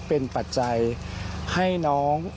กู้พายหญิง